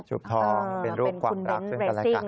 จุบท้องเป็นรูปขวังรักขึ้นกับรายการ